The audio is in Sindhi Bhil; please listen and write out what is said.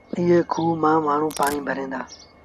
ايئي کوه مآݩ مآڻهوٚݩ پآڻيٚ ڀرتآ۔